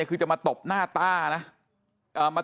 เอามา